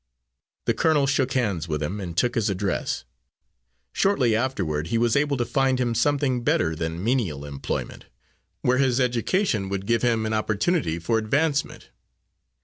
The colonel shook hands with him, and took his address. Shortly afterward he was able to find him something better than menial employment, where his education would give him an opportunity for advancement.